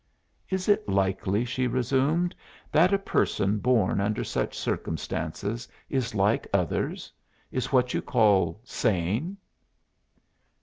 "Is it likely," she resumed, "that a person born under such circumstances is like others is what you call sane?"